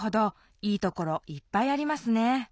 いいところいっぱいありますね